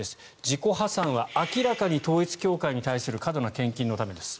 自己破産は明らかに統一教会に対する過度な献金のためです。